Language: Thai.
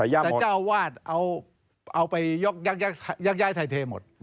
แต่เจ้าวาสเอายักยายไถเทหมด